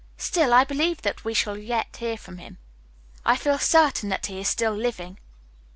Still, I believe that we shall yet hear from him. I feel certain that he is still living.